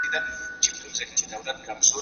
پخواني قاضیان د پوره قانوني خوندیتوب حق نه لري.